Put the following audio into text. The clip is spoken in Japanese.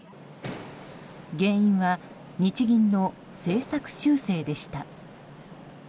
原因は日銀の政策修正でした。